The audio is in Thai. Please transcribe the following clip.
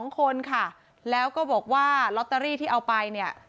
๒คนค่ะแล้วก็บอกว่าลอตเตอรี่ที่เอาไปเนี่ย